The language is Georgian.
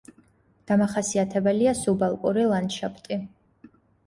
დამახასიათებელია სუბალპური ლანდშაფტი.